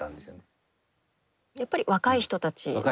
やっぱり若い人たちなんですね。